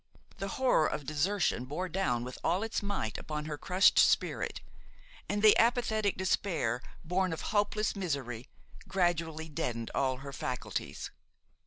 The horror of desertion bore down with all its might upon her crushed spirit, and the apathetic despair born of hopeless misery gradually deadened all her faculties.